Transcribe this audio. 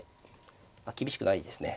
あっ厳しくないですね